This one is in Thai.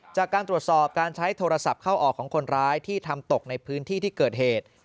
จากการตรวจสอบการใช้โทรศัพท์เข้าออกของคนร้ายที่ทำตกในพื้นที่ที่เกิดเหตุ